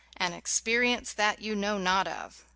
"An experience that you know not of"!